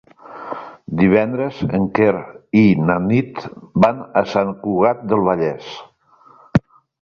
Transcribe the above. Divendres en Quer i na Nit van a Sant Cugat del Vallès.